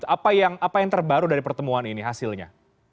apa yang terbaru dari pertemuan ini hasilnya